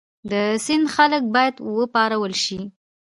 د سند خلک باید وپارول شي.